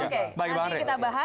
oke nanti kita bahas